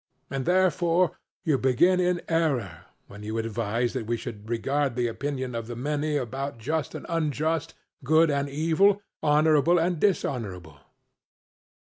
And therefore you begin in error when you advise that we should regard the opinion of the many about just and unjust, good and evil, honorable and dishonorable.